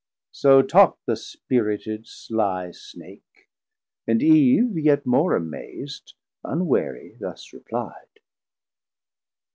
So talk'd the spirited sly Snake; and Eve Yet more amaz'd unwarie thus reply'd.